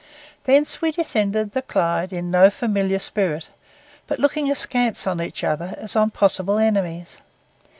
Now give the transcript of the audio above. Thence we descended the Clyde in no familiar spirit, but looking askance on each other as on possible enemies.